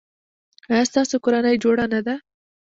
ایا ستاسو کورنۍ جوړه نه ده؟